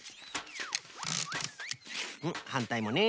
うんはんたいもね。